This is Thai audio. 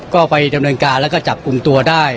ก็ไปจำนวนการแล้วจับอุมตัวได้